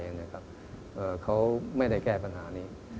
เขาไม่ได้แก้ปัญหานี้